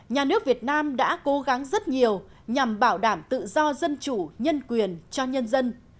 nhà nước việt nam đã cố gắng rất nhiều nhằm bảo đảm tự do dân chủ nhân quyền cho nhân dân